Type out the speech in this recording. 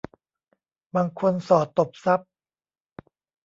บางคนส่อตบทรัพย์